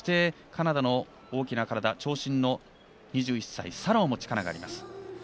カナダの大きな体長身の２１歳サローも力があります。